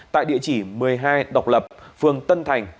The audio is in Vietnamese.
tại địa chỉ một mươi hai độc lập phường tân thành